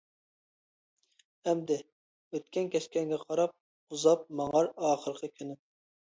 ئەمدى، ئۆتكەن-كەچكەنگە قاراپ، ئۇزاپ ماڭار ئاخىرقى كۈنۈم.